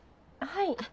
はい。